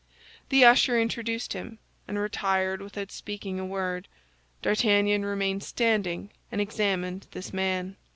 The usher introduced him, and retired without speaking a word. D'Artagnan remained standing and examined this man.